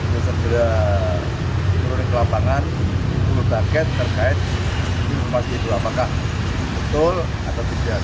kita menurut ke lapangan menurut paket terkait ini memastikan apakah betul atau tidak